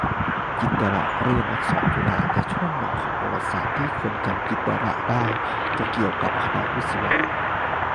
จิตรเรียนอักษรจุฬา แต่ช่วงหนึ่งของประวัติศาสตร์ที่คนจำจิตรได้ จะเกี่ยวกับคณะวิศวะ